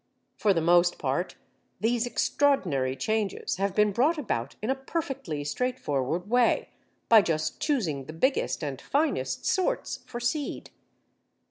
For the most part these extraordinary changes have been brought about in a perfectly straightforward way, by just choosing the biggest and finest sorts for seed.